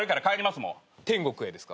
天国へですか？